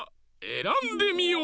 えらんでみよ！